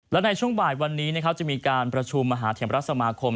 และในช่วงบ่ายวันนี้นะครับจะมีการประชุมมหาเทมรัฐสมาคม